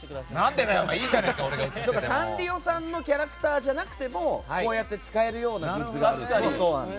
サンリオさんのキャラクターじゃなくてもこうやって使えるようなグッズがあると。